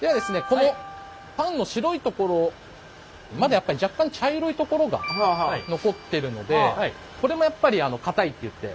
このパンの白いところまだやっぱり若干茶色いところが残ってるのでこれもやっぱり硬いっていって。